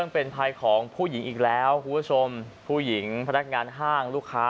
เป็นภัยของผู้หญิงอีกแล้วคุณผู้ชมผู้หญิงพนักงานห้างลูกค้า